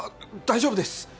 大丈夫です